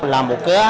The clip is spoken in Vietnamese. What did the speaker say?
là một cơ